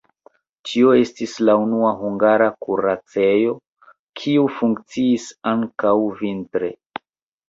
Tio estis la unua hungara kuracejo, kiu funkciis ankaŭ vintre.